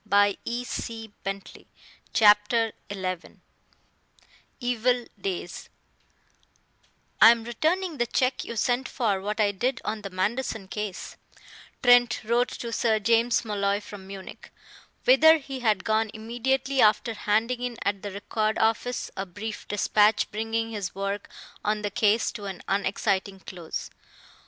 PHILIP TRENT. CHAPTER XI EVIL DAYS "I am returning the check you sent for what I did on the Manderson case," Trent wrote to Sir James Molloy from Munich, whither he had gone immediately after handing in at the Record office a brief despatch bringing his work on the case to an unexciting close.